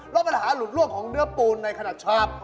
แล้วปัญหาหลุดล่วงของเนื้อปูนในขณะชาบ